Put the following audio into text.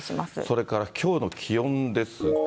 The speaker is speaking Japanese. それからきょうの気温ですが。